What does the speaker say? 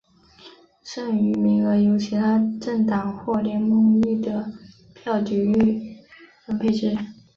剩余名额由其他政党或联盟依得票比率分配之。